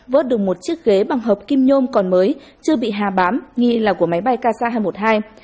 vớt được một chiếc ghế bằng hợp kim nhôm còn mới chưa bị hà bám nghi là của máy bay ksa hai trăm một mươi hai